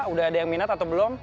udah ada yang minat atau belum